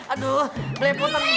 aduh belepotan gini